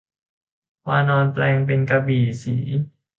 วานรแปลงเป็นกระบี่ศรี